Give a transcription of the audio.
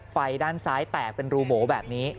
ไฟด้านซ้ายแตกเป็นรูโบแบบนี้